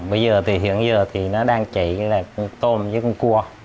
bây giờ thì hiện giờ nó đang chảy tôm với con cua